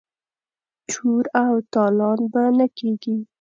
چور او تالان به نه کیږي.